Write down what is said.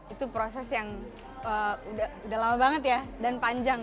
itu proses yang udah lama banget ya dan panjang